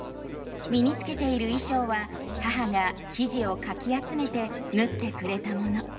身に着けている衣装は母が生地をかき集めて縫ってくれたもの。